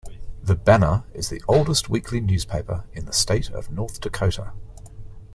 The "Banner" is the oldest weekly newspaper in the state of North Dakota.